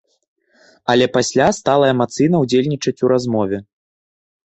Але пасля стала эмацыйна ўдзельнічаць у размове.